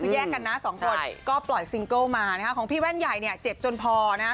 คือแยกกันนะสองคนก็ปล่อยซิงเกิลมานะคะของพี่แว่นใหญ่เนี่ยเจ็บจนพอนะฮะ